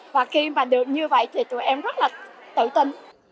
và khi mà được như vậy thì tụi em rất là tự tin